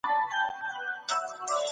نهه منفي دوه؛ اووه پاته کېږي.